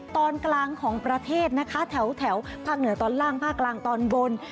ตอนกลางของประเทศนะคะแถวภาคเหนือตอนล่างภาคกลางตอนบน